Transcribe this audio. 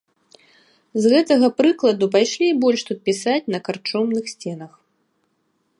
З гэтага прыкладу пайшлі і больш тут пісаць на карчомных сценах.